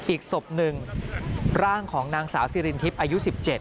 อีกศพหนึ่งร่างของนางสาวสิรินทิพย์อายุ๑๗